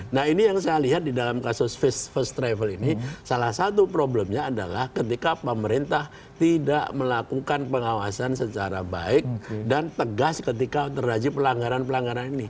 nah ini yang saya lihat di dalam kasus first travel ini salah satu problemnya adalah ketika pemerintah tidak melakukan pengawasan secara baik dan tegas ketika terjadi pelanggaran pelanggaran ini